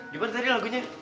gimana tadi lagunya